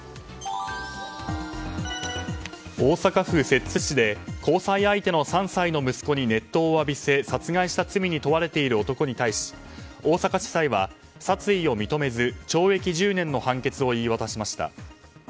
大阪府摂津市で交際相手の３歳の息子に熱湯を浴びせ、殺害した罪に問われている男に対し大阪地裁は、殺意を認めず懲役１０年の判決を言い渡しました。